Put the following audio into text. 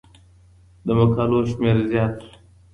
د مقالو شمېر زيات سو.